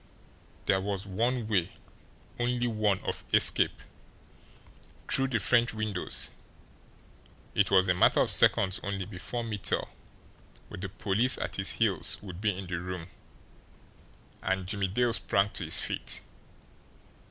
There was one way, only one, of escape through the French windows! It was a matter of seconds only before Mittel, with the police at his heels, would be in the room and Jimmie Dale sprang to his feet.